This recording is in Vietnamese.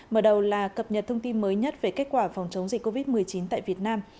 mở đầu là cập nhật thông tin mới nhất về kết quả phòng chống dịch covid một mươi chín tại việt nam